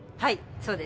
そうです。